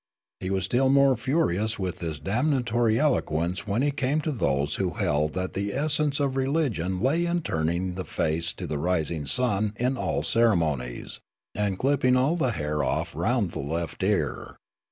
He was still more furious in his damnatory eloquence when he came to those who held that the essence of religion lay in turning the face 322 Riallaro to the rising sun in all ceremonies, and clipping all the hair off round the left ear.